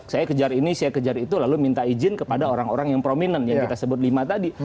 saya kejar ini saya kejar itu lalu minta izin kepada orang orang yang prominent yang kita sebut lima tadi